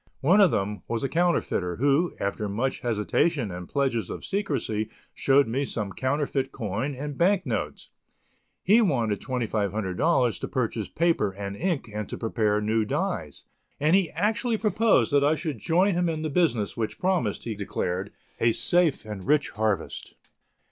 One of them was a counterfeiter, who, after much hesitation and pledges of secrecy showed me some counterfeit coin and bank notes; he wanted $2,500 to purchase paper and ink and to prepare new dies, and he actually proposed that I should join him in the business which promised, he declared, a safe and rich harvest.